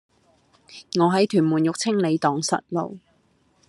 我喺屯門育青里盪失路